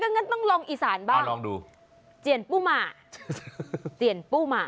งั้นต้องลองอีสานบ้างลองดูเจียนปู้มาเจียนปู้มา